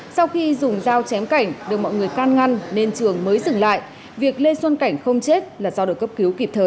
sau khi dùng dao chém cảnh được mọi người can ngăn nên trường mới dừng lại việc lê xuân cảnh không chết là do được cấp cứu kịp thời